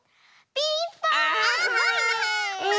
ピンポーン！